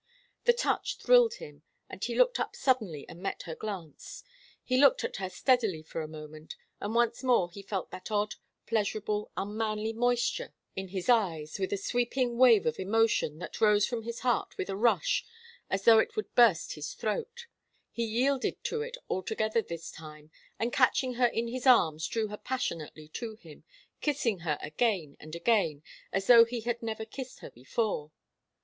The touch thrilled him, and he looked up suddenly and met her glance. He looked at her steadily for a moment, and once more he felt that odd, pleasurable, unmanly moisture in his [Illustration: "She rose suddenly and pretended to busy herself with the single light." Vol. I., p. 79.] eyes, with a sweeping wave of emotion that rose from his heart with a rush as though it would burst his throat. He yielded to it altogether this time, and catching her in his arms drew her passionately to him, kissing her again and again, as though he had never kissed her before.